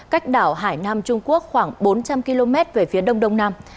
cách đảo hải nam trung quốc khoảng bốn trăm linh km về phía đông đông nam